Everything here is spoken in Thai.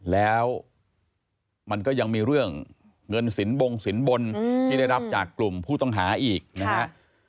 แล้วมันก็ยังมีเรื่องเงินสินบงสินบนที่ได้รับจากกลุ่มผู้ต้องหาอีกนะครับ